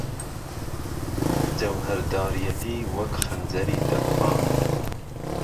جهوهەرداریهتی وهک خهنجهری دهببان